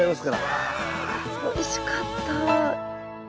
おいしかった。